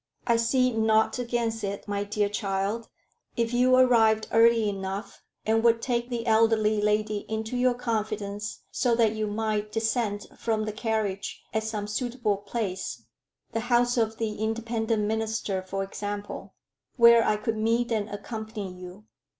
"I see naught against it, my dear child, if you arrived early enough, and would take the elderly lady into your confidence, so that you might descend from the carriage at some suitable place the house of the Independent minister, for example where I could meet and accompany you.